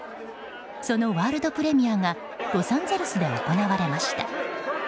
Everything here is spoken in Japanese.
そのワールドプレミアがロサンゼルスで行われました。